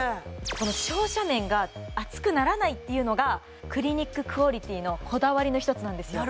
この照射面が熱くならないっていうのがクリニッククオリティのこだわりの一つなんですよ